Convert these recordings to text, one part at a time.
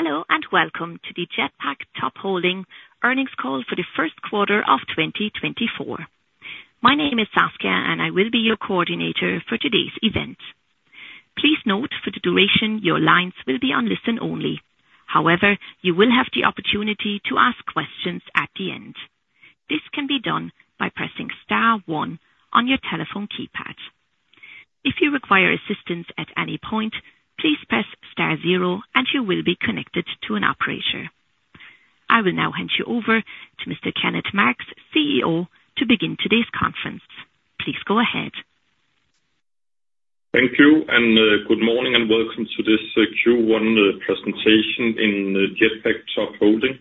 Hello, and welcome to the Jetpak Top Holding Earnings Call for the first quarter of 2024. My name is Saskia, and I will be your coordinator for today's event. Please note, for the duration, your lines will be on listen only. However, you will have the opportunity to ask questions at the end. This can be done by pressing star one on your telephone keypad. If you require assistance at any point, please press star zero, and you will be connected to an operator. I will now hand you over to Mr. Kenneth Marx, CEO, to begin today's conference. Please go ahead. Thank you, and good morning, and welcome to this Q1 presentation in Jetpak Top Holding.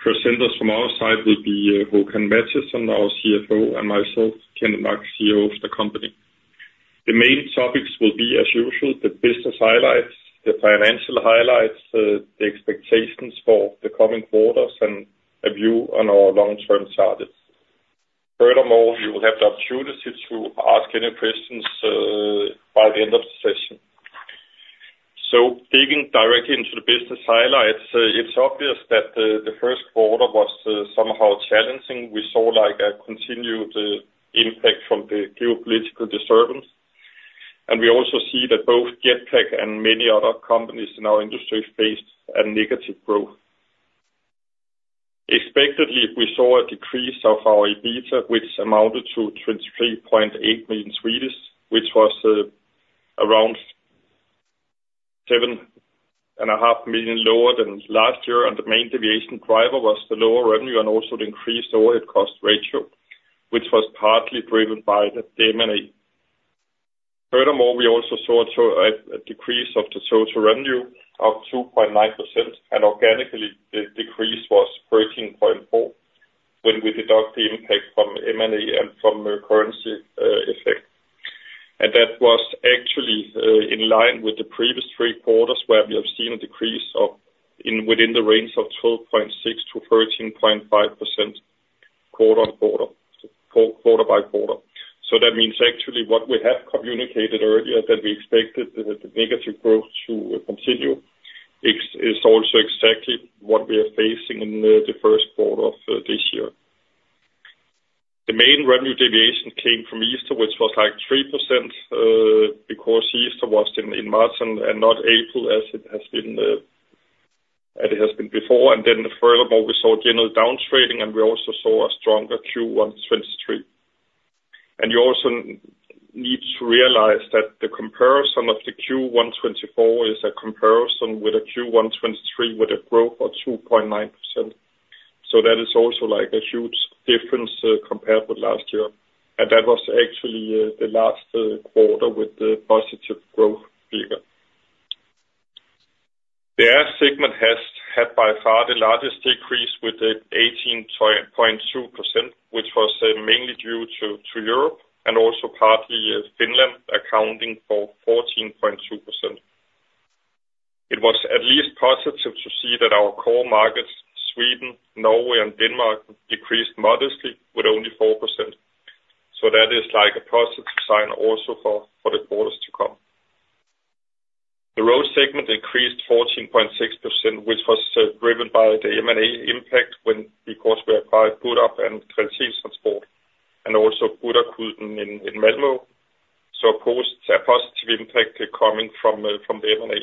Presenters from our side will be Håkan Mattisson, our CFO, and myself, Kenneth Marx, CEO of the company. The main topics will be, as usual, the business highlights, the financial highlights, the expectations for the coming quarters, and a view on our long-term targets. Furthermore, you will have the opportunity to ask any questions by the end of the session. So digging directly into the business highlights, it's obvious that the first quarter was somehow challenging. We saw, like, a continued impact from the geopolitical disturbance, and we also see that both Jetpak and many other companies in our industry faced a negative growth. Expectedly, we saw a decrease of our EBITA, which amounted to 23.8 million, which was around 7.5 million lower than last year, and the main deviation driver was the lower revenue and also the increased overhead cost ratio, which was partly driven by the M&A. Furthermore, we also saw a decrease of the total revenue of 2.9%, and organically, the decrease was 13.4, when we deduct the impact from M&A and from the currency effect. And that was actually in line with the previous three quarters, where we have seen a decrease of within the range of 12.6%-13.5% quarter-over-quarter, quarter-by-quarter. So that means actually what we have communicated earlier, that we expected the negative growth to continue. It is also exactly what we are facing in the first quarter of this year. The main revenue deviation came from Easter, which was, like, 3%, because Easter was in March and not April, as it has been before. And then furthermore, we saw general down trading, and we also saw a stronger Q1 2023. And you also need to realize that the comparison of the Q1 2024 is a comparison with the Q1 2023, with a growth of 2.9%. So that is also, like, a huge difference, compared with last year, and that was actually the last quarter with the positive growth figure. The air segment has had by far the largest decrease with the 18.2%, which was mainly due to Europe and also partly Finland, accounting for 14.2%. It was at least positive to see that our core markets, Sweden, Norway, and Denmark, decreased modestly with only 4%. So that is like a positive sign also for the quarters to come. The road segment increased 14.6%, which was driven by the M&A impact because we acquired Budakuten and CTS Express and also Budakuten in Malmö. So of course, a positive impact coming from the M&A.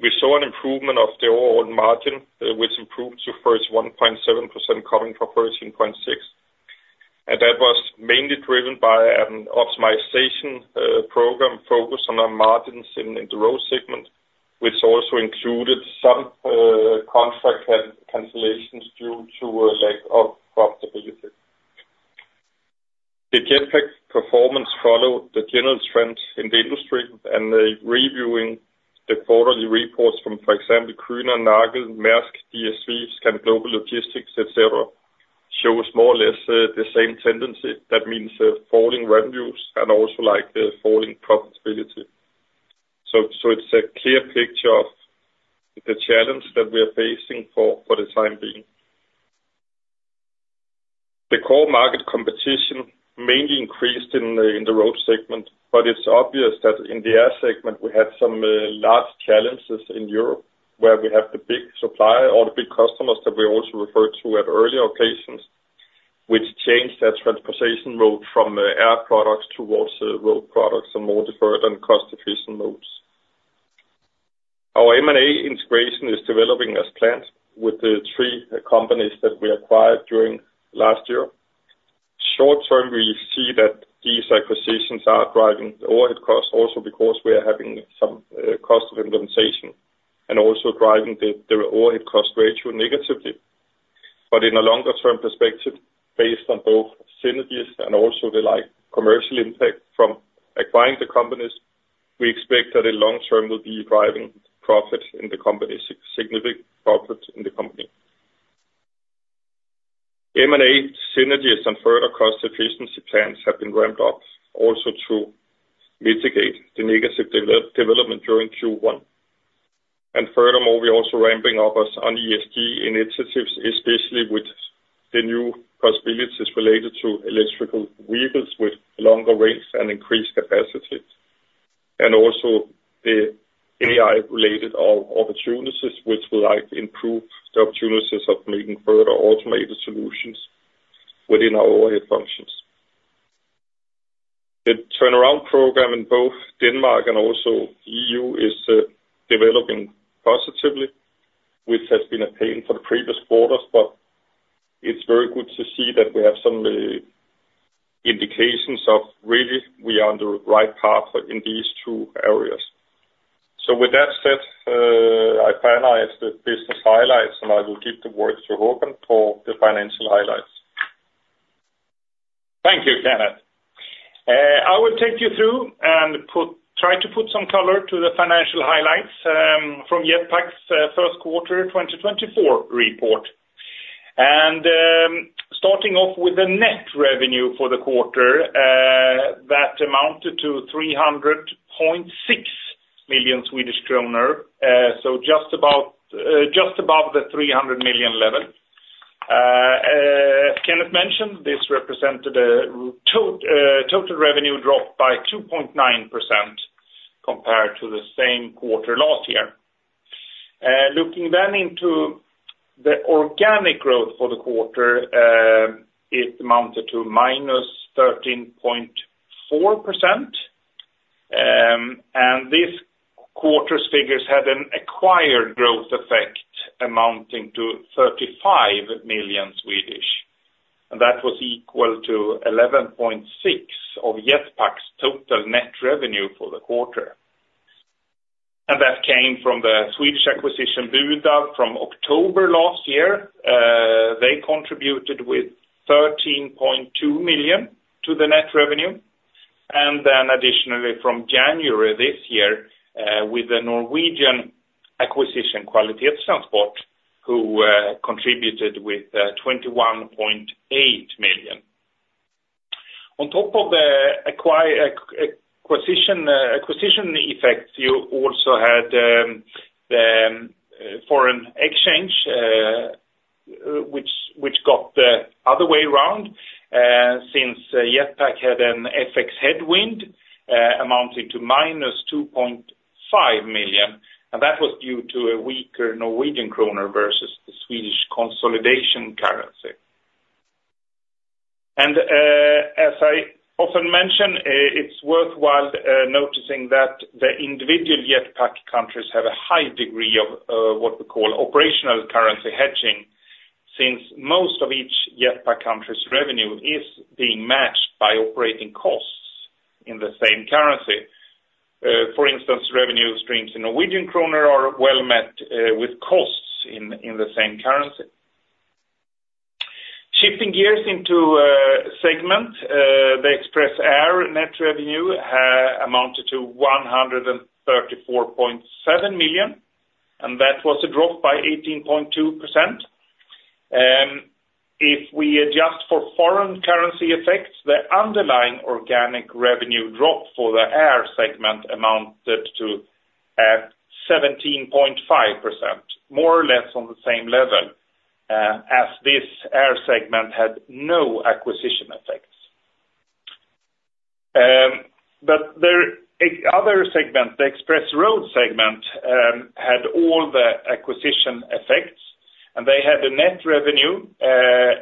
We saw an improvement of the overall margin, which improved to 1.7%, coming from 13.6%, and that was mainly driven by an optimization program focused on our margins in the road segment, which also included some contract cancellations due to a lack of profitability. The Jetpak performance followed the general trends in the industry, and reviewing the quarterly reports from, for example, Kuehne+Nagel, Maersk, DSV, Scan Global Logistics, etc, shows more or less the same tendency. That means falling revenues and also, like, falling profitability. So it's a clear picture of the challenge that we are facing for the time being. The core market competition mainly increased in the road segment, but it's obvious that in the air segment, we had some large challenges in Europe, where we have the big supplier or the big customers that we also referred to at earlier occasions, which changed their transportation route from air products towards road products and more deferred and cost-efficient routes. Our M&A integration is developing as planned with the three companies that we acquired during last year. Short term, we see that these acquisitions are driving overhead costs also because we are having some cost implementation, and also driving the overhead cost ratio negatively. But in a longer-term perspective, based on both synergies and also the, like, commercial impact from acquiring the companies, we expect that the long term will be driving profit in the company, significant profit in the company. M&A synergies and further cost efficiency plans have been ramped up, also to mitigate the negative development during Q1. And furthermore, we're also ramping up our ESG initiatives, especially the new possibilities related to electric vehicles with longer range and increased capacities, and also the AI-related opportunities, which will likely improve the opportunities of making further automated solutions within our overhead functions. The turnaround program in both Denmark and also EU is developing positively, which has been a pain for the previous quarters, but it's very good to see that we have some indications of really we are on the right path in these two areas. So with that said, I finalize the business highlights, and I will give the word to Håkan for the financial highlights. Thank you, Kenneth. I will take you through and try to put some color to the financial highlights from Jetpak's first quarter 2024 report. Starting off with the net revenue for the quarter, that amounted to 300.6 million Swedish kronor, so just about just above the 300 million level. As Kenneth mentioned, this represented a total revenue drop by 2.9% compared to the same quarter last year. Looking then into the organic growth for the quarter, it amounted to -13.4%. And this quarter's figures had an acquired growth effect amounting to 35 million, and that was equal to 11.6% of Jetpak's total net revenue for the quarter. And that came from the Swedish acquisition, Budakuten, from October last year. They contributed with 13.2 million to the net revenue, and then additionally, from January this year, with the Norwegian acquisition Kvalitetstransport, who contributed with 21.8 million. On top of the acquisition effects, you also had foreign exchange, which got the other way around, since Jetpak had an FX headwind amounting to -2.5 million, and that was due to a weaker Norwegian kroner versus the Swedish consolidation currency. As I often mention, it's worthwhile noticing that the individual Jetpak countries have a high degree of what we call operational currency hedging, since most of each Jetpak country's revenue is being matched by operating costs in the same currency. For instance, revenue streams in Norwegian kroner are well met with costs in the same currency. Shifting gears into segment the Express Air net revenue amounted to 134.7 million, and that was a drop by 18.2%. If we adjust for foreign currency effects, the underlying organic revenue drop for the air segment amounted to 17.5%, more or less on the same level as this air segment had no acquisition effects. But the other segment, the Express Road segment had all the acquisition effects, and they had a net revenue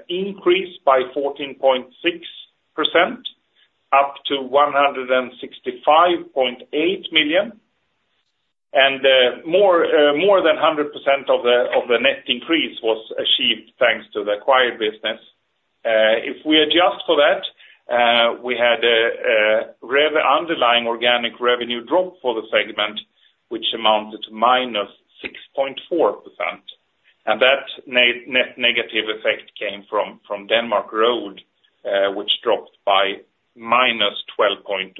increase by 14.6%, up to 165.8 million. And more than 100% of the net increase was achieved thanks to the acquired business. If we adjust for that, we had a rather underlying organic revenue drop for the segment, which amounted to -6.4%, and that net negative effect came from Denmark Road, which dropped by -12.1%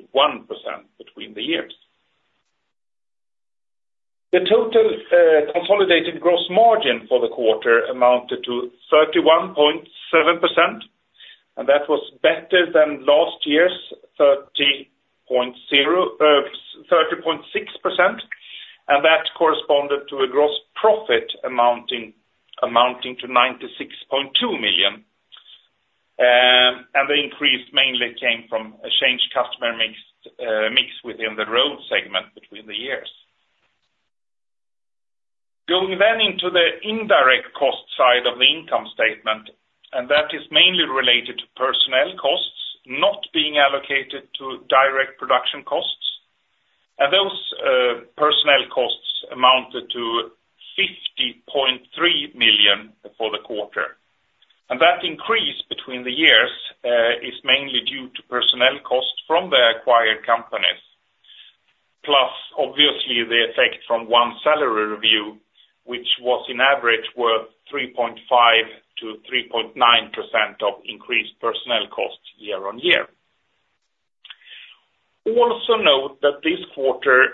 between the years. The total consolidated gross margin for the quarter amounted to 31.7%, and that was better than last year's 30.0%, 30.6%, and that corresponded to a gross profit amounting to 96.2 million. And the increase mainly came from a changed customer mix within the road segment between the years. Going then into the indirect cost side of the income statement, and that is mainly related to personnel costs not being allocated to direct production costs. Those personnel costs amounted to 50.3 million for the quarter. That increase between the years is mainly due to personnel costs from the acquired companies, plus, obviously, the effect from one salary review, which was in average worth 3.5%-3.9% of increased personnel costs year on year. Also note that this quarter,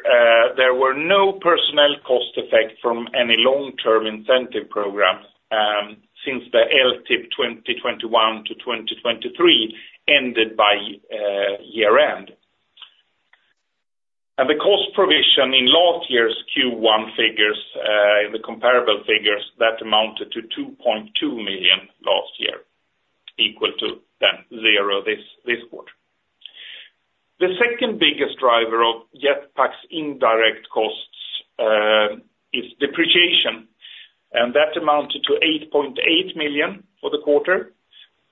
there were no personnel cost effect from any long-term incentive programs, since the LTIP 2021-2023 ended by year-end. And in last year's Q1 figures, the comparable figures, that amounted to 2.2 million last year, equal to then zero this quarter. The second biggest driver of Jetpak's indirect costs is depreciation, and that amounted to 8.8 million for the quarter.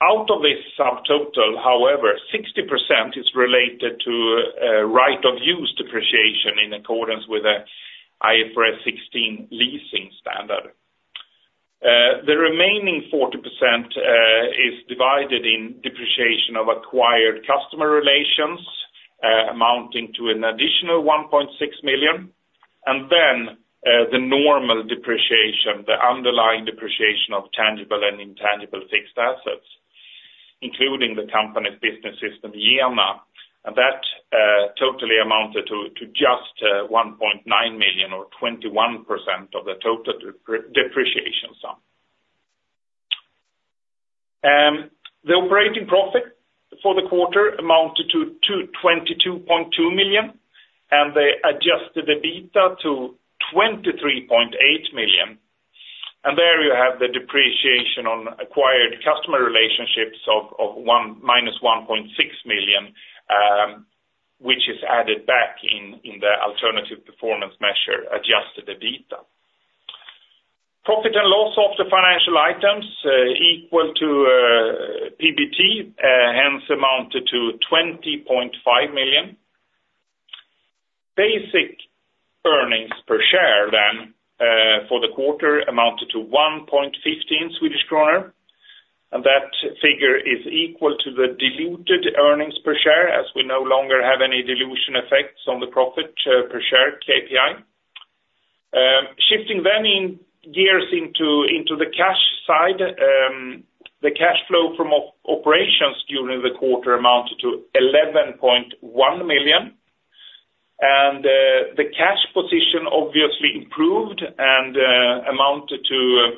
Out of this subtotal, however, 60% is related to right of use depreciation in accordance with the IFRS 16 leasing standard. The remaining 40% is divided in depreciation of acquired customer relations, amounting to an additional 1.6 million, and then the normal depreciation, the underlying depreciation of tangible and intangible fixed assets, including the company's business system, JENA, and that totally amounted to just 1.9 million or 21% of the total depreciation sum. The operating profit for the quarter amounted to 22.2 million, and they adjusted the EBITDA to 23.8 million. And there you have the depreciation on acquired customer relationships of one, -1.6 million, which is added back in the alternative performance measure, adjusted EBITDA. Profit and loss after financial items, equal to PBT, hence amounted to 20.5 million. Basic Earnings Per Share then, for the quarter amounted to 1.15 million Swedish kronor, and that figure is equal to the diluted earnings per share, as we no longer have any dilution effects on the profit, per share KPI. Shifting gears into the cash side, the cash flow from operations during the quarter amounted to 11.1 million. The cash position obviously improved and amounted to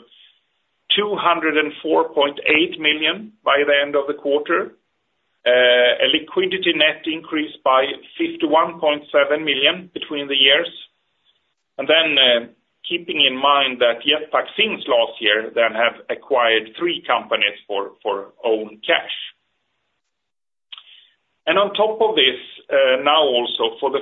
204.8 million by the end of the quarter. A liquidity net increased by 51.7 million between the years. Then, keeping in mind that Jetpak since last year have acquired three companies for own cash. On top of this, now also, for the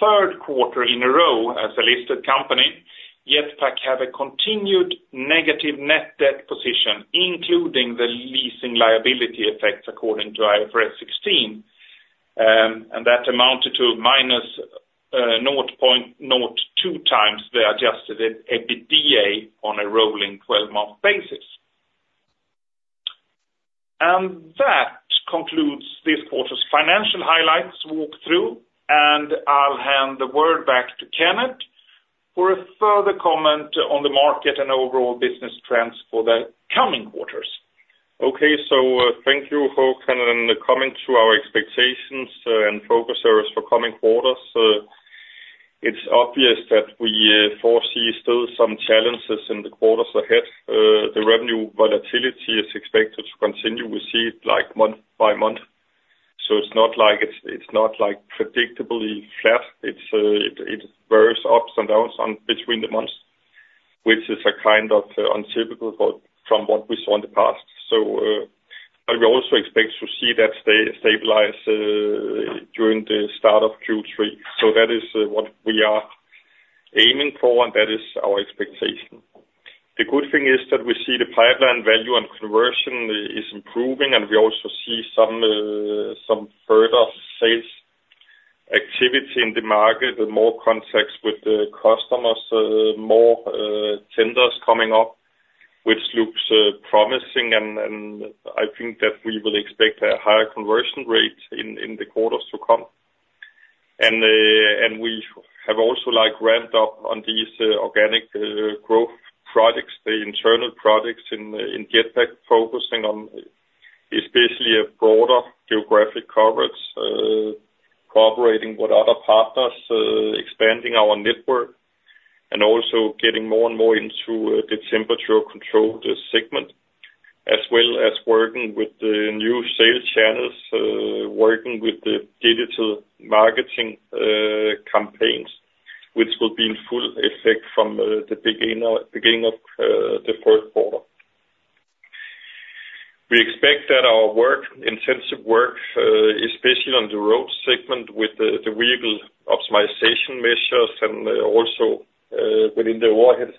third quarter in a row, as a listed company, Jetpak have a continued negative net debt position, including the leasing liability effects according to IFRS 16. And that amounted to -0.02x the adjusted EBITDA on a rolling twelve-month basis. And that concludes this quarter's financial highlights walk through, and I'll hand the word back to Kenneth for a further comment on the market and overall business trends for the coming quarters. Okay, so, thank you, Håkan, and coming to our expectations, and focus areas for coming quarters. It's obvious that we foresee still some challenges in the quarters ahead. The revenue volatility is expected to continue. We see it like month by month, so it's not like it's, it's not like predictably flat. It's it varies ups and downs between the months, which is a kind of untypical from what we saw in the past. So, but we also expect to see that stabilize during the start of Q3. So that is what we are aiming for, and that is our expectation. The good thing is that we see the pipeline value and conversion is improving, and we also see some some further sales activity in the market, and more contacts with the customers, more tenders coming up, which looks promising. And I think that we will expect a higher conversion rate in the quarters to come. And we have also like ramped up on these organic growth products, the internal products in Jetpak, focusing on especially a broader geographic coverage, cooperating with other partners, expanding our network, and also getting more and more into the temperature controlled segment, as well as working with the new sales channels, working with the digital marketing campaigns, which will be in full effect from the beginning of the fourth quarter. We expect that our work, intensive work, especially on the road segment with the vehicle optimization measures and also within the overhead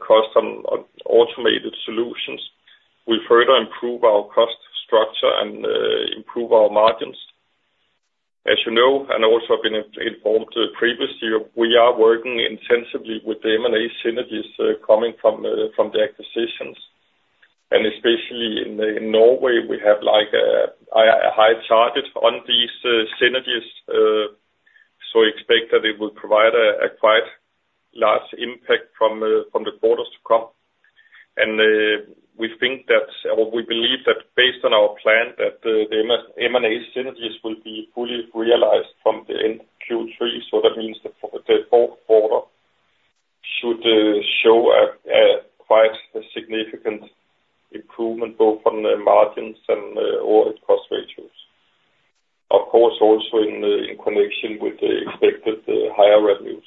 cost on automated solutions, will further improve our cost structure and improve our margins. As you know, and also have been informed previously, we are working intensively with the M&A synergies coming from the acquisitions. And especially in Norway, we have like a high target on these synergies, so expect that it will provide a quite large impact from the quarters to come. And we think that, or we believe that based on our plan, that the M&A synergies will be fully realized from the end Q3, so that means the fourth quarter. Significant improvement both on the margins and overall cost ratios. Of course, also in connection with the expected higher revenues.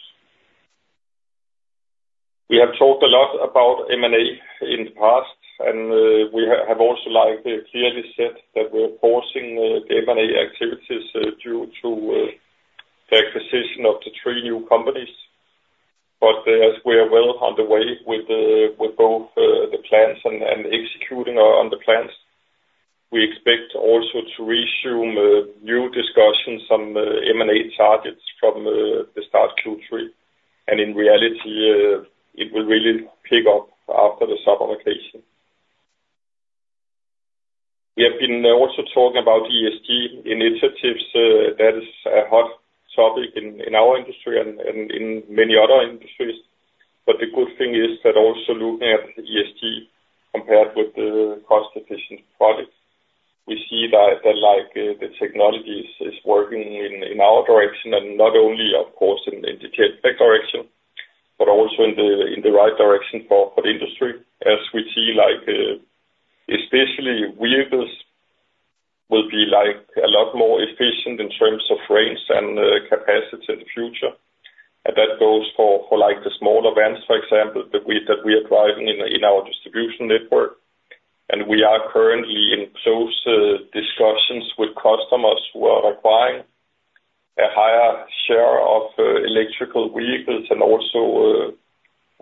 We have talked a lot about M&A in the past, and we have also, like, clearly said that we're pausing the M&A activities due to the acquisition of the three new companies. But as we are well on the way with both the plans and executing on the plans, we expect also to resume new discussions on M&A targets from the start Q3. And in reality, it will really pick up after the summer vacation. We have been also talking about ESG initiatives, that is a hot topic in our industry and in many other industries. But the good thing is that also looking at ESG, compared with the cost efficient products, we see that like the technologies is working in our direction, and not only of course in that direction, but also in the right direction for the industry. As we see, like especially vehicles will be like a lot more efficient in terms of range and capacity in the future. And that goes for like the smaller vans, for example, that we are driving in our distribution network. And we are currently in close discussions with customers who are requiring a higher share of electric vehicles. And also,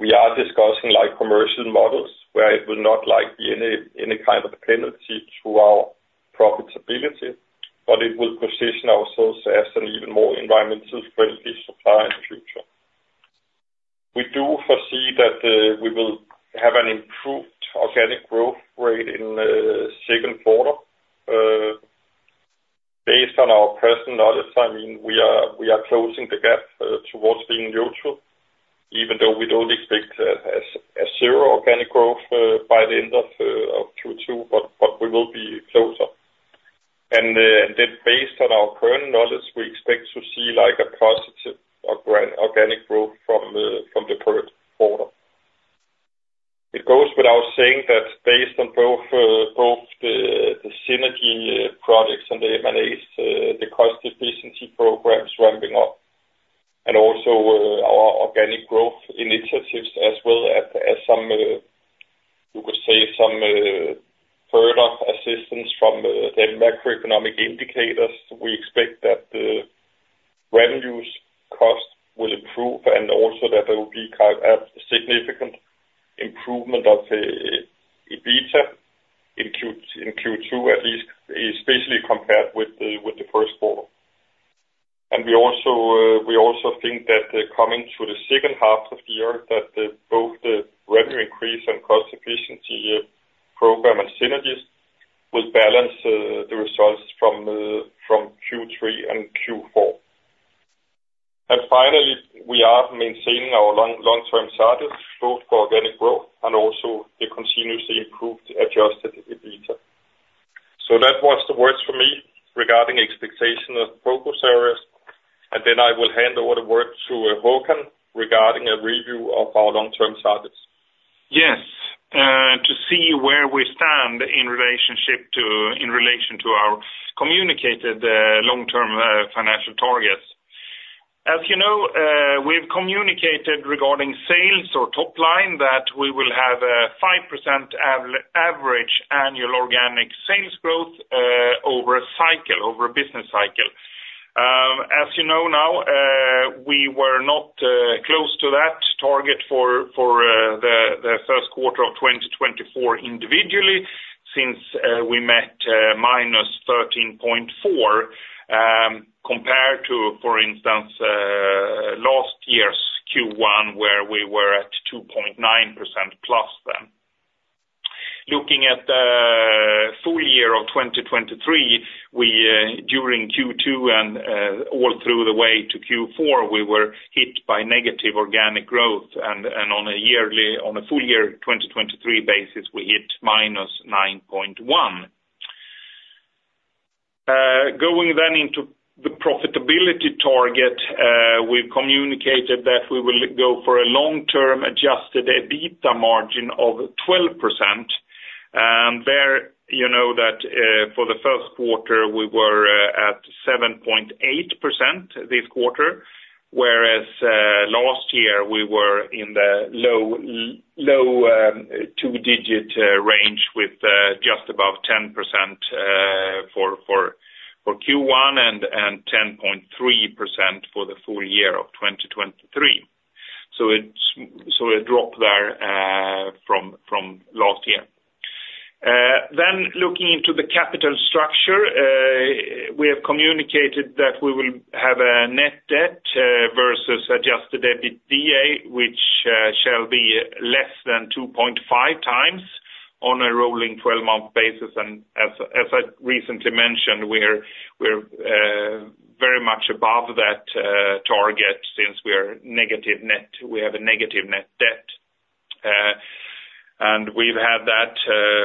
we are discussing, like, commercial models, where it will not, like, be any kind of penalty to our profitability, but it will position ourselves as an even more environmentally friendly supplier in the future. We do foresee that, we will have an improved organic growth rate in second quarter. Based on our personal knowledge, I mean, we are closing the gap towards being neutral, even though we don't expect a zero organic growth by the end of Q2, but we will be closer. And then based on our current knowledge, we expect to see, like, a positive organic growth from the third quarter. It goes without saying that based on both the synergy products and the M&As, the cost efficiency programs ramping up. And also, our organic growth initiatives as well as, as some, you could say some, further assistance from, the macroeconomic indicators. We expect that the revenues cost will improve, and also that there will be kind of a significant improvement of the EBITDA in Q1 in Q2, at least, especially compared with the, with the first quarter. And we also, we also think that, coming to the second half of the year, that, both the revenue increase and cost efficiency program and synergies will balance, the results from, from Q3 and Q4. And finally, we are maintaining our long-term targets, both for organic growth and also the continuously improved adjusted EBITDA. That was the words from me regarding expectation of focus areas, and then I will hand over the word to Håkan, regarding a review of our long-term targets. Yes, to see where we stand in relationship to in relation to our communicated long-term financial targets. As you know, we've communicated regarding sales or top line, that we will have a 5% average annual organic sales growth, over a cycle, over a business cycle. As you know now, we were not close to that target for the first quarter of 2024 individually, since we met -13.4%, compared to, for instance, last year's Q1, where we were at +2.9% then. Looking at the full year of 2023, we during Q2 and all through the way to Q4, we were hit by negative organic growth, and on a yearly, on a full year, 2023 basis, we hit -9.1%. Going then into the profitability target, we've communicated that we will go for a long-term Adjusted EBITDA margin of 12%. There, you know that, for the first quarter, we were at 7.8% this quarter, whereas, last year we were in the low two-digit range, with just above 10% for Q1, and 10.3% for the full year of 2023. So it's a drop there, from last year. Then, looking into the capital structure, we have communicated that we will have a net debt versus Adjusted EBITDA, which shall be less than 2.5x on a rolling twelve-month basis. As I recently mentioned, we're very much above that target since we have a negative net debt. We've had that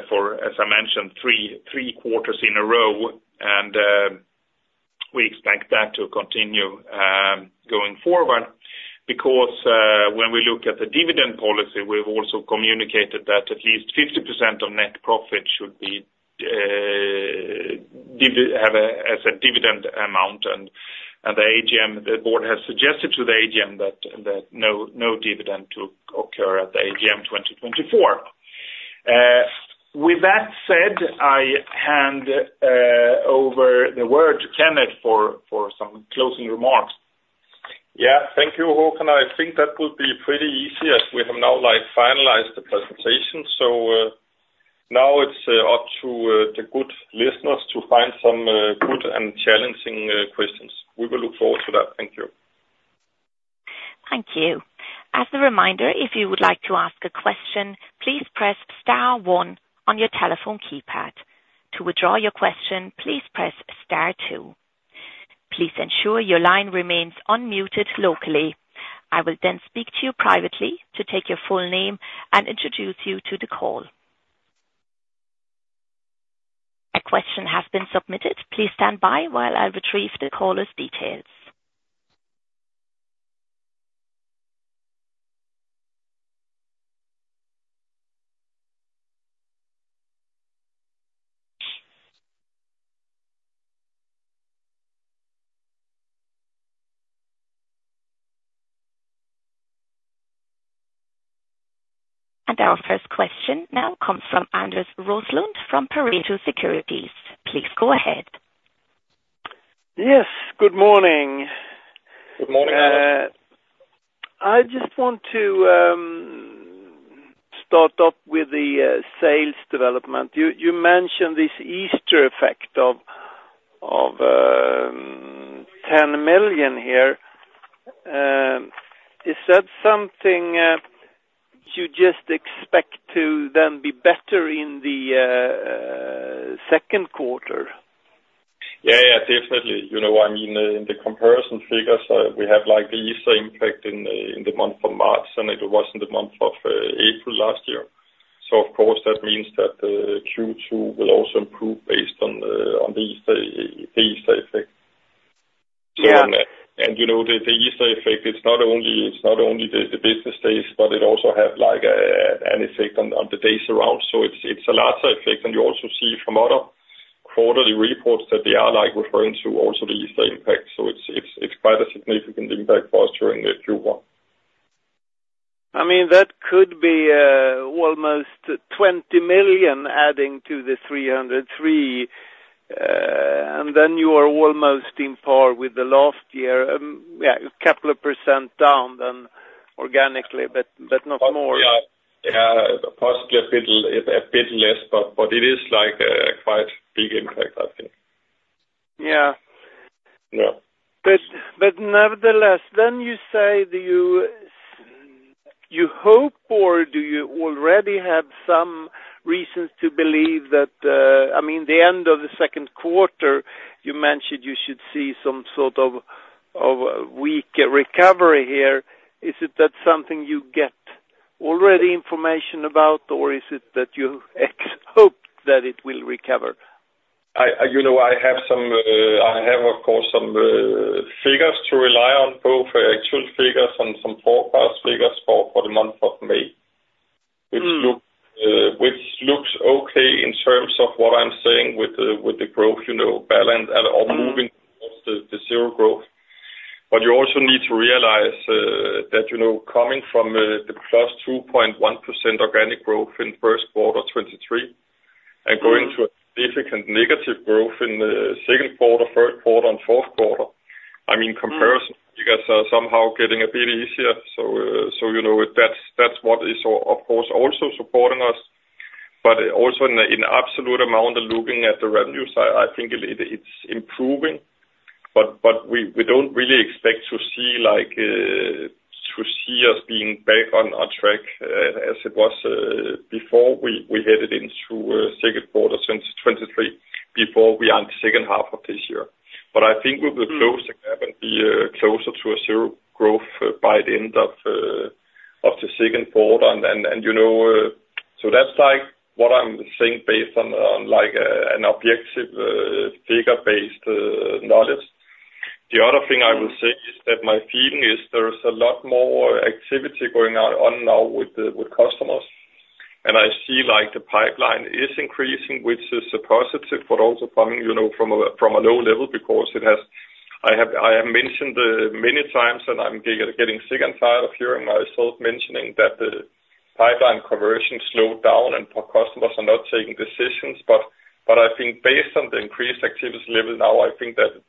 for, as I mentioned, three quarters in a row to continue going forward because when we look at the dividend policy, we've also communicated that at least 50% of net profit should be dividend have a as a dividend amount, and the AGM, the board has suggested to the AGM that no dividend to occur at the AGM 2024. With that said, I hand over the word to Kenneth for some closing remarks. Yeah. Thank you, Håkan. I think that will be pretty easy as we have now, like, finalized the presentation. So, now it's up to the good listeners to find some good and challenging questions. We will look forward to that. Thank you. Thank you. As a reminder, if you would like to ask a question, please press star one on your telephone keypad. To withdraw your question, please press star two. Please ensure your line remains unmuted locally. I will then speak to you privately to take your full name and introduce you to the call. A question has been submitted. Please stand by while I retrieve the caller's details. And our first question now comes from Anders Roslund from Pareto Securities. Please go ahead. Yes, good morning. Good morning. I just want to start off with the sales development. You mentioned this Easter effect of 10 million here. Is that something you just expect to then be better in the second quarter? Yeah, yeah, definitely. You know, I mean, in the comparison figures, we have, like, the Easter impact in the month of March, and it was in the month of April last year. So of course, that means that Q2 will also improve based on, on the Easter, the Easter effect. Yeah. You know, the Easter effect, it's not only the business days, but it also have, like, an effect on the days around. So it's a larger effect, and you also see from other quarterly reports that they are, like, referring to the Easter impact. So it's quite a significant impact for us during the Q1. I mean, that could be almost 20 million adding to the 303 million. And then you are almost on par with the last year. Yeah, a couple of percent down than organically, but, but not more. Yeah. Yeah, possibly a bit less, but, but it is like a quite big impact, I think. Yeah. Yeah. But nevertheless, then you say, do you hope, or do you already have some reasons to believe that, I mean, the end of the second quarter, you mentioned you should see some sort of a weak recovery here. Is it that something you get already information about, or is it that you hope that it will recover? You know, I have, of course, some figures to rely on, both actual figures and some forecast figures for the month of May--which look, which looks okay in terms of what I'm saying with the, with the growth, you know, balance or moving towards the, the 0% growth. But you also need to realize, that, you know, coming from, the +2.1% organic growth in first quarter 2023, and going to a significant negative growth in the second quarter, third quarter, and fourth quarter, I mean, comparison, you guys are somehow getting a bit easier. So, so you know, that's, that's what is, of course, also supporting us. But also in absolute amount, looking at the revenue side, I think it's improving, but we don't really expect to see, like, to see us being back on our track, as it was before we headed into second quarter 2023, before we are in the second half of this year. But I think we will close the gap and be closer to zero growth by the end of the second quarter. And, you know, so that's like what I'm saying based on, like, an objective figure-based knowledge. The other thing I will say is that my feeling is there is a lot more activity going on now with the customers, and I see, like, the pipeline is increasing, which is a positive, but also coming, you know, from a low level because it has. I have mentioned many times, and I'm getting sick and tired of hearing myself mentioning that the pipeline conversion slowed down and customers are not taking decisions. But I think based on the increased activity level now, I think that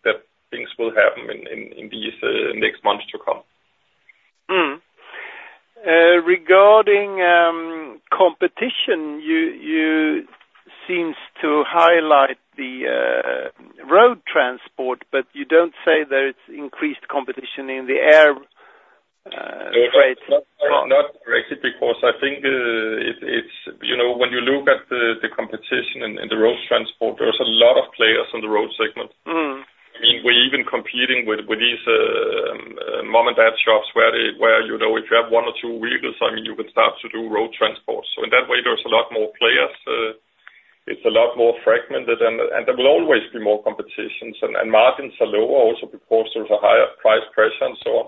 things will happen in these next months to come. Regarding competition, you seem to highlight the road transport, but you don't say there's increased competition in the air freight. Not, not directly, because I think, it's, you know, when you look at the competition in the road transport, there's a lot of players on the road segment. I mean, we're even competing with these mom-and-dad shops, where, you know, if you have one or two vehicles, I mean, you can start to do road transport. So in that way, there's a lot more players. It's a lot more fragmented, and there will always be more competitions, and margins are lower also because there's a higher price pressure and so on.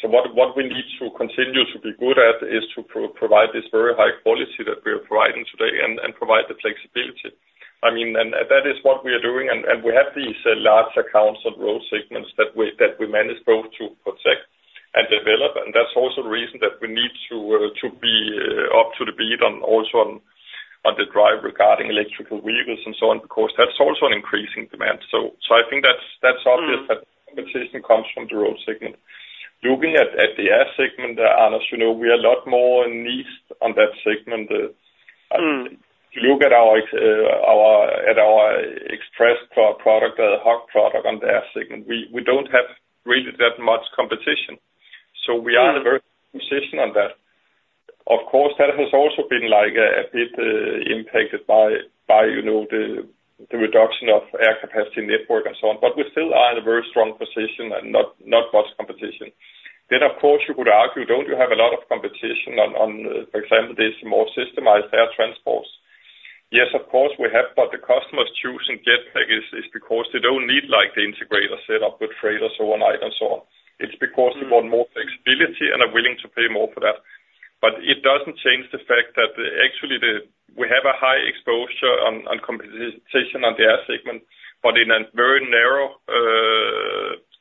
So what we need to continue to be good at is to provide this very high quality that we are providing today and provide the flexibility. I mean, that is what we are doing, and we have these large accounts and road segments that we manage both to protect and develop. And that's also the reason that we need to, to be up to the beat on, also on, on the drive regarding electric vehicles and so on, because that's also an increasing demand. So, so I think that's, that's obvious- -that competition comes from the road segment. Looking at the air segment, Anders, you know, we are a lot more niche on that segment. If you look at our express product, hot product on the air segment, we don't have really that much competition. So we are in a very position on that. Of course, that has also been, like, a bit impacted by, you know, the reduction of air capacity network and so on. But we still are in a very strong position and not much competition. Then, of course, you could argue, don't you have a lot of competition on, for example, this more systemized air transports? Yes, of course, we have, but the customers choosing Jetpak is because they don't need, like, the integrator set up with freight or so on, and so on. It's because they want more flexibility and are willing to pay more for that. But it doesn't change the fact that actually the. We have a high exposure on, on competition on the air segment, but in a very narrow,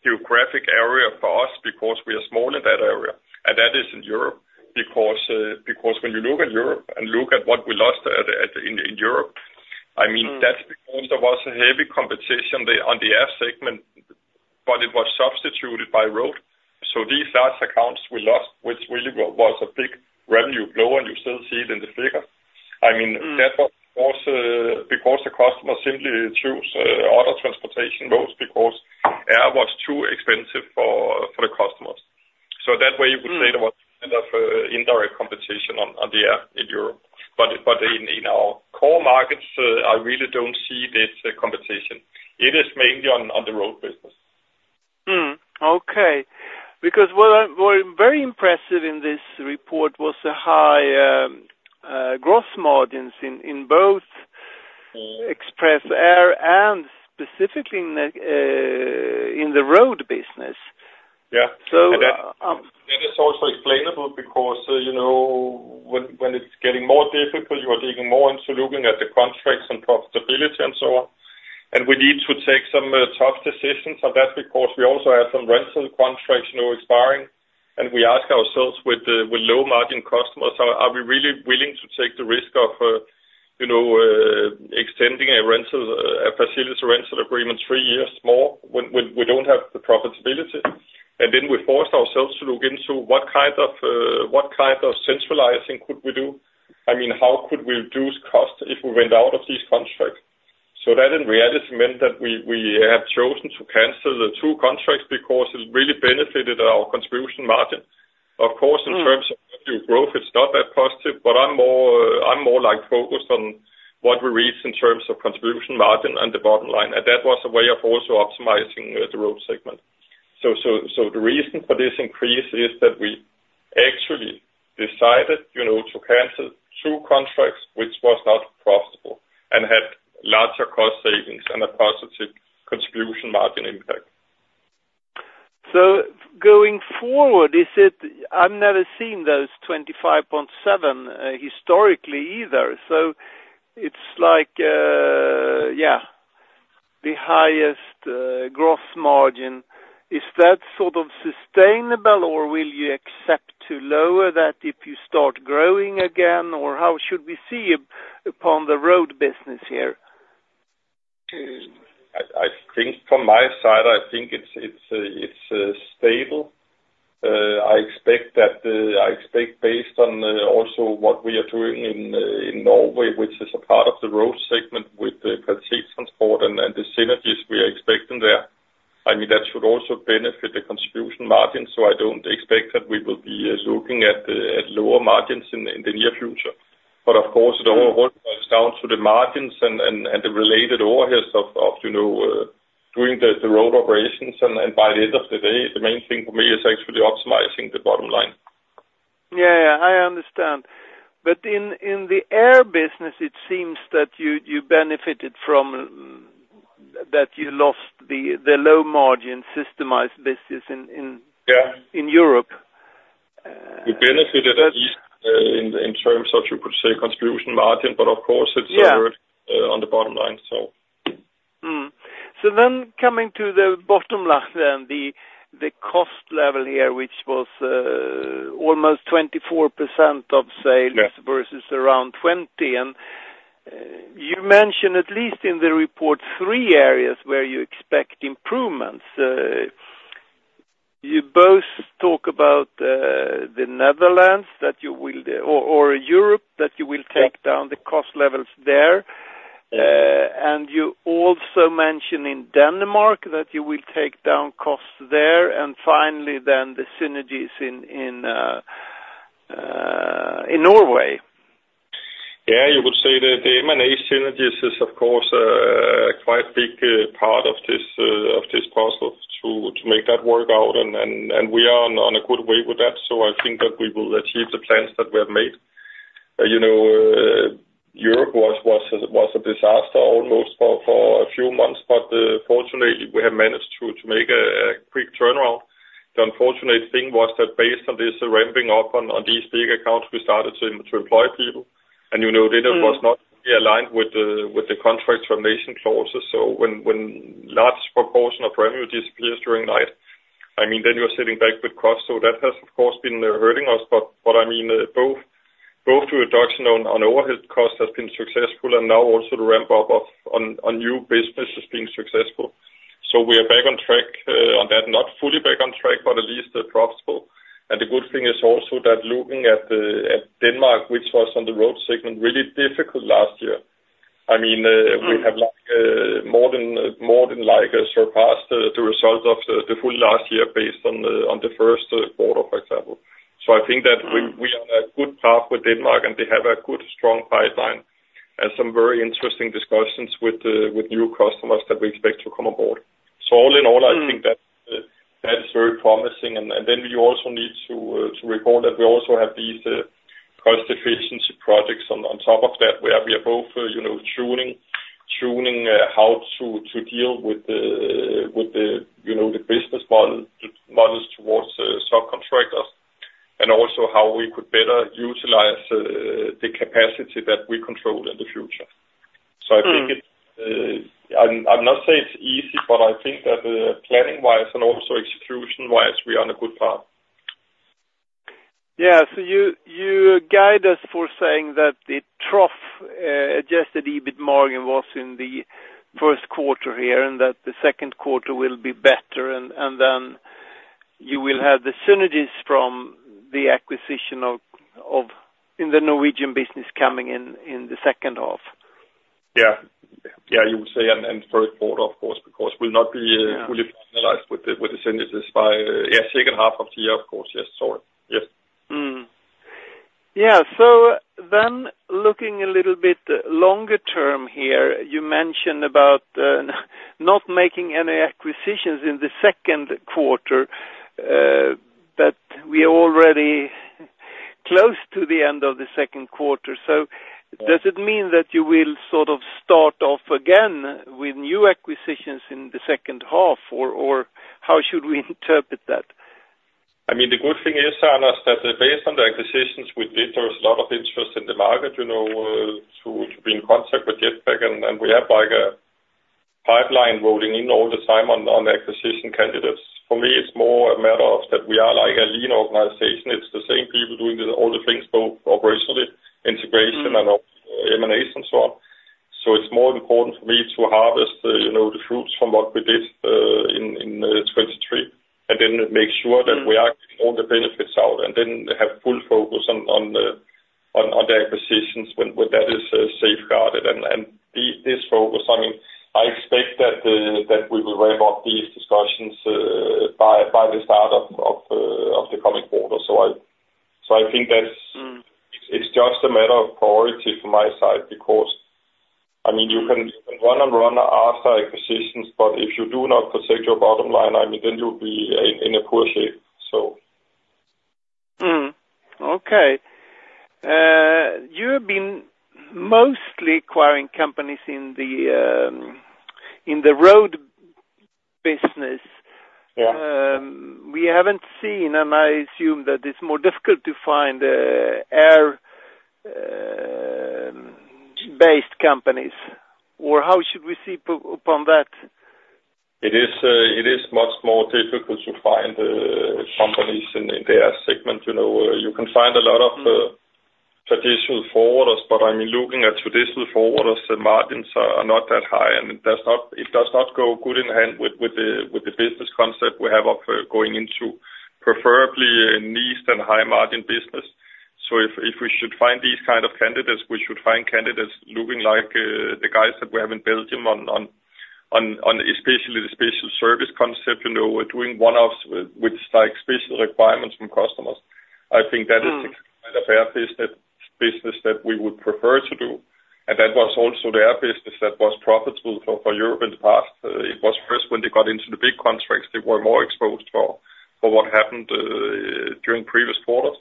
geographic area for us, because we are small in that area, and that is in Europe. Because, because when you look at Europe and look at what we lost at, at, in, in Europe- I mean, that's because there was a heavy competition the, on the air segment, but it was substituted by road. So these large accounts we lost, which really was a big revenue blow, and you still see it in the figure. I mean, that was also because the customer simply chose other transportation modes, because air was too expensive for, for the customers. So that way, you would say there was kind of indirect competition on the air in Europe. But in our core markets, I really don't see this competition. It is mainly on the road business. Okay. Because what I—what very impressive in this report was the high gross margins in both- Express Air and specifically in the road business. Yeah. That is also explainable because, you know, when it's getting more difficult, you are digging more into looking at the contracts and profitability and so on. And we need to take some tough decisions, and that's because we also have some rental contracts now expiring, and we ask ourselves with low-margin customers, are we really willing to take the risk of, you know, extending a rental, a facility rental agreement three years more when we don't have the profitability? And then we forced ourselves to look into what kind of centralizing could we do? I mean, how could we reduce cost if we went out of this contract? So that, in reality, meant that we have chosen to cancel the two contracts because it really benefited our contribution margin. Of course, in terms of growth, it's not that positive, but I'm more, I'm more, like, focused on what we reach in terms of contribution margin and the bottom line, and that was a way of also optimizing the road segment. So the reason for this increase is that we actually decided, you know, to cancel two contracts, which was not profitable, and had larger cost savings and a positive contribution margin impact. So going forward, is it. I've never seen those 25.7% historically either. So it's like, yeah, the highest gross margin. Is that sort of sustainable, or will you accept to lower that if you start growing again, or how should we see upon the road business here? I think from my side, I think it's stable. I expect that based on also what we are doing in Norway, which is a part of the road segment with the Kvalitetstransport and the synergies we are expecting there. I mean, that should also benefit the contribution margin, so I don't expect that we will be looking at lower margins in the near future. But of course- it all boils down to the margins and the related overheads of, you know, doing the road operations. And by the end of the day, the main thing for me is actually optimizing the bottom line. Yeah, yeah, I understand. But in the air business, it seems that you benefited from. That you lost the low-margin, systemized business in- Yeah in Europe. We benefited- In terms of, you could say, Contribution Margin, but of course it's Yeah on the bottom line, so. So then coming to the bottom line then, the cost level here, which was almost 24% of sales- Yeah .versus around 20%. You mentioned, at least in the report, three areas where you expect improvements. You both talk about the Netherlands, that you will, or, or Europe, that you will take- down the cost levels there. Yeah. and you also mention in Denmark that you will take down costs there, and finally, then the synergies in Norway. Yeah, you would say that the M&A synergies is, of course, quite big part of this puzzle to make that work out, and we are on a good way with that, so I think that we will achieve the plans that we have made. You know, Europe was a disaster almost for a few months, but fortunately, we have managed to make a quick turnaround. The unfortunate thing was that based on this ramping up on these big accounts, we started to employ people. And, you know, that it was not aligned with the contract termination clauses. So when large proportion of revenue disappears during night, I mean, then you're sitting back with cost. So that has, of course, been hurting us. But I mean, both the reduction on overhead cost has been successful, and now also the ramp up of on new business has been successful. So we are back on track on that, not fully back on track, but at least profitable. And the good thing is also that looking at Denmark, which was on the road segment, really difficult last year. I mean, we have like more than like surpassed the result of the full last year based on the first quarter, for example. So I think that we- We are on a good path with Denmark, and they have a good, strong pipeline, and some very interesting discussions with the, with new customers that we expect to come aboard. So all in all, I think that, that is very promising. And, and then we also need to, to recall that we also have these, cost efficiency projects on, on top of that, where we are both, you know, tuning, tuning, how to, to deal with the, with the, you know, the business model, models towards, subcontractors, and also how we could better utilize, the capacity that we control in the future. So I think it's. I'm not saying it's easy, but I think that, planning-wise and also execution-wise, we are on a good path. Yeah. So you guide us for saying that the trough adjusted EBIT margin was in the first quarter here, and that the second quarter will be better, and then you will have the synergies from the acquisition of in the Norwegian business coming in, in the second half. Yeah. Yeah, you would say, and third quarter, of course, because we'll not be fully finalized with the synergies by, yeah, second half of the year, of course. Yes, sorry. Yes. Mm. Yeah, so then looking a little bit longer term here, you mentioned about not making any acquisitions in the second quarter, but we are already close to the end of the second quarter. So does it mean that you will sort of start off again with new acquisitions in the second half, or how should we interpret that? I mean, the good thing is, Anders, that based on the acquisitions we did, there was a lot of interest in the market, you know, to be in contact with Jetpak, and we have, like, a pipeline rolling in all the time on acquisition candidates. For me, it's more a matter of that we are like a lean organization. It's the same people doing the, all the things, both operationally, integration- -and M&As, and so on. So it's more important for me to harvest, you know, the fruits from what we did in 2023, and then make sure that we are getting all the benefits out, and then have full focus on the acquisitions when that is safeguarded and be this focus. I mean, I expect that we will wrap up these discussions by the start of the coming quarter. So I think that's- It's just a matter of priority from my side, because, I mean, you can run and run after acquisitions, but if you do not protect your bottom line, I mean, then you'll be in a poor shape, so. Mm. Okay. You have been mostly acquiring companies in the road business. Yeah. We haven't seen, and I assume that it's more difficult to find air-based companies, or how should we see upon that? It is, it is much more difficult to find, companies in, in the air segment. You know, you can find a lot of, traditional forwarders, but, I mean, looking at traditional forwarders, the margins are, are not that high, and it does not, it does not go good in hand with, with the, with the business concept we have of, going into preferably a niche and high-margin business. So if, if we should find these kind of candidates, we should find candidates looking like, the guys that we have in Belgium on, on, on, on especially the special service concept, you know, we're doing one-offs with, with like special requirements from customers. I think that is- a fair business, business that we would prefer to do, and that was also their business that was profitable for Europe in the past. It was first when they got into the big contracts, they were more exposed for what happened during previous quarters.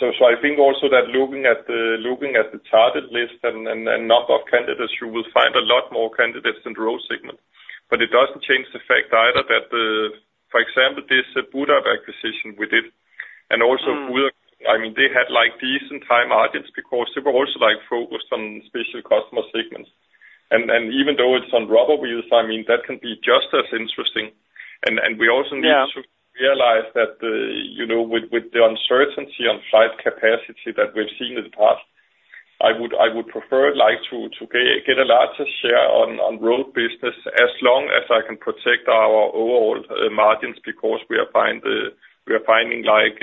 So I think also that looking at the target list and number of candidates, you will find a lot more candidates in the road segment. But it doesn't change the fact either that the. For example, this Budakuten acquisition we did, and also- I mean, they had like decent high margins because they were also, like, focused on special customer segments. And, and even though it's on rubber wheels, I mean, that can be just as interesting. And, and we also need- Yeah To realize that, you know, with, with the uncertainty on flight capacity that we've seen in the past, I would, I would prefer like to, to get a larger share on, on road business, as long as I can protect our overall, margins, because we are finding like,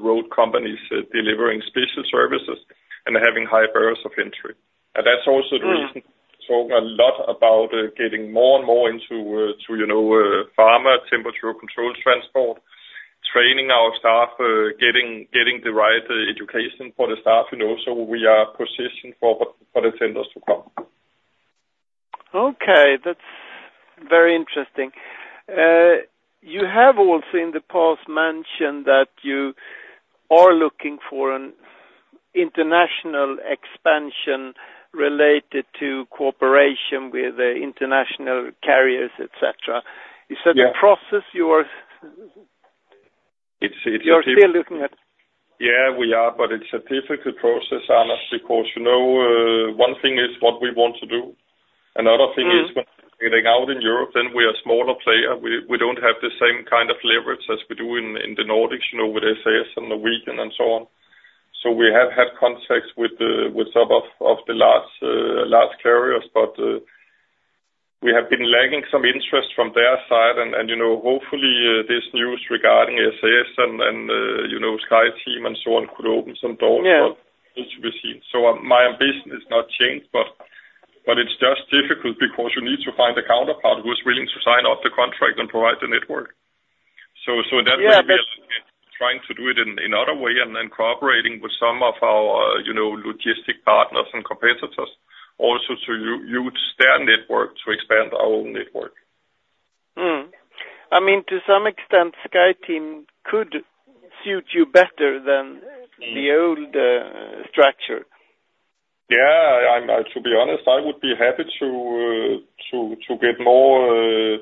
road companies delivering special services and having high barriers of entry. And that's also the reason- So a lot about getting more and more into, to you know, pharma, temperature control transport, training our staff, getting the right education for the staff, you know, so we are positioned for the tenders to come. Okay, that's very interesting. You have also in the past mentioned that you are looking for an international expansion related to cooperation with international carriers, et cetera. Yeah. Is that a process you are- It's, it's- You're still looking at? Yeah, we are, but it's a difficult process, Anders, because, you know, one thing is what we want to do, another thing is- Getting out in Europe, and we are smaller player. We don't have the same kind of leverage as we do in the Nordics, you know, with SAS and the network and so on. So we have had contacts with some of the large carriers, but we have been lacking some interest from their side. And, you know, hopefully, this news regarding SAS and, you know, SkyTeam and so on, could open some doors. Yeah. But it remains to be seen. So my ambition has not changed, but, but it's just difficult because you need to find a counterpart who is willing to sign off the contract and provide the network. So, so in that way- Yeah, but- Trying to do it in another way, and then cooperating with some of our, you know, logistics partners and competitors, also to use their network to expand our own network. Mm. I mean, to some extent, SkyTeam could suit you better than the old structure. Yeah, to be honest, I would be happy to get more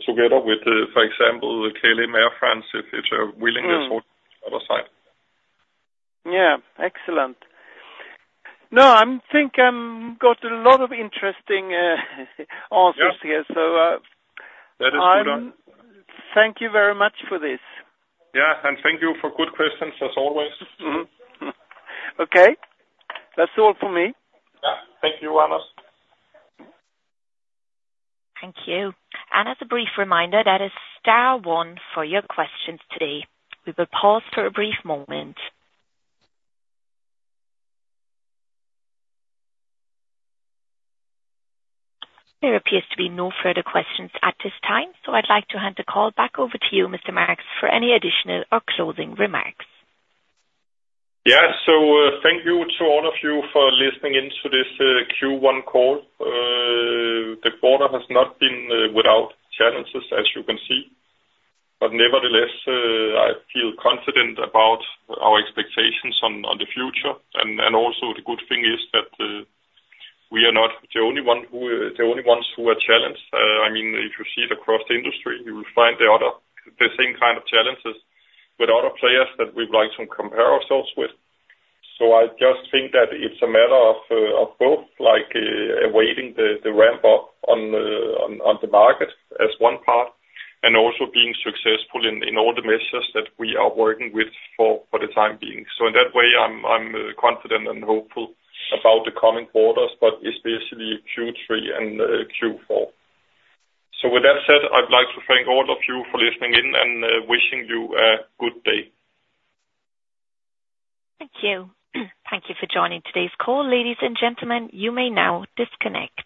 together with, for example, KLM Air France, if it's a willingness for the other side. Yeah, excellent. No, I think got a lot of interesting answers here. Yeah. So, uh- That is good on. Thank you very much for this. Yeah, and thank you for good questions as always. Mm-hmm. Okay, that's all for me. Yeah. Thank you, Anders. Thank you. As a brief reminder, that is star one for your questions today. We will pause for a brief moment. There appears to be no further questions at this time, so I'd like to hand the call back over to you, Mr. Marx, for any additional or closing remarks. Yeah. So, thank you to all of you for listening in to this Q1 call. The quarter has not been without challenges, as you can see, but nevertheless, I feel confident about our expectations on the future. And also the good thing is that we are not the only one who, the only ones who are challenged. I mean, if you see it across the industry, you will find the other, the same kind of challenges with other players that we'd like to compare ourselves with. So I just think that it's a matter of both, like, awaiting the ramp up on the market as one part, and also being successful in all the measures that we are working with for the time being. So in that way, I'm confident and hopeful about the coming quarters, but especially Q3 and Q4. So with that said, I'd like to thank all of you for listening in, and wishing you a good day. Thank you. Thank you for joining today's call, ladies and gentlemen. You may now disconnect.